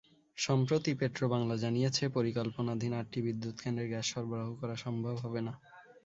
সম্প্রতি পেট্রোবাংলা জানিয়েছে, পরিকল্পনাধীন আটটি বিদ্যুৎকেন্দ্রে গ্যাস সরবরাহ করা সম্ভব হবে না।